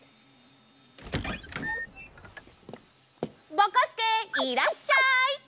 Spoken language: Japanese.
ぼこすけいらっしゃい！